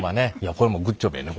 これもグッジョブやね。